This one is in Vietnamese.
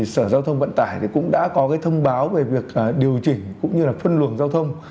sở giao thông vận tải cũng đã có thông báo về việc điều chỉnh cũng như là phân luồng giao thông